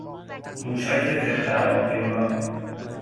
موشک ضدهواپیما